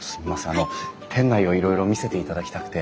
あの店内をいろいろ見せていただきたくて。